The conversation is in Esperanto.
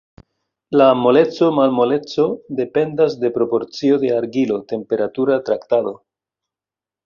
La moleco-malmoleco dependas de proporcio de argilo, temperatura traktado.